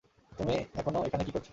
তুমি এখনো এখানে কী করছ?